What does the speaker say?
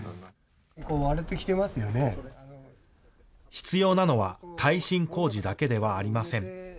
必要なのは耐震工事だけではありません。